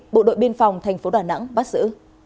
bộ đội biên phòng tp đà nẵng bắt giữ